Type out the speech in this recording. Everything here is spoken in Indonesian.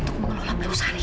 untuk mengelola perusahaan ini